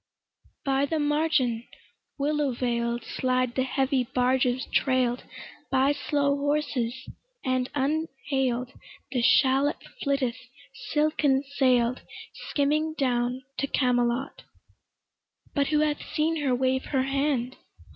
By the margin, willow veil'd Slide the heavy barges trail'd By slow horses; and unhail'd The shallop flitteth silken sail'd Skimming down to Camelot: But who hath seen her wave her hand?